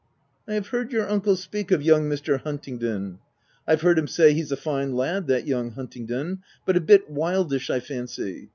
" I have heard your uncle speak of young Mr. Huntingdon. I've heard him say, ' He's a fine lad, that young Huntingdon, but a bit wildish I fancy.'